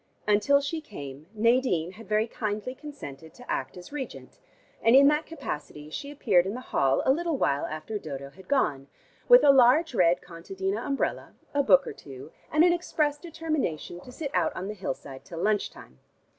Until she came Nadine had very kindly consented to act as regent, and in that capacity she appeared in the hall a little while after Dodo had gone, with a large red contadina umbrella, a book or two, and an expressed determination to sit out on the hillside till lunch time.